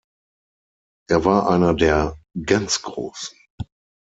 Er war einer der ganz Großen.